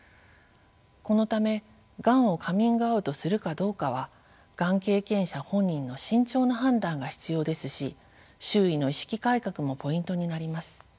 このためがんをカミングアウトするかどうかはがん経験者本人の慎重な判断が必要ですし周囲の意識改革もポイントになります。